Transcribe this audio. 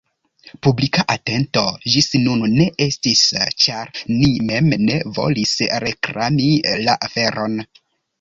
Publika atento ĝis nun ne estis, ĉar ni mem ne volis reklami la aferon.